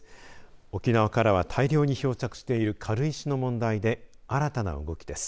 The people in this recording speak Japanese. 沖縄からは大量に漂着している軽石の問題で新たな動きです。